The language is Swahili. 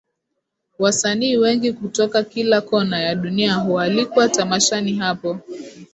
Wasanii wengi kutoka kila Kona ya dunia hualikwa tamashani hapo